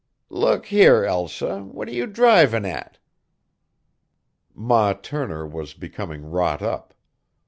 "Look here, Elsa, what're you drivin' at?" Ma Turner was becoming wrought up.